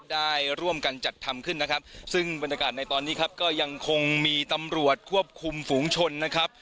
ได้ร่วมกันจัดทำขึ้นนะครับซึ่งบรรยากาศในตอนนี้ครับก็ยังคงมีตำรวจควบคุมฝูงชนนะครับ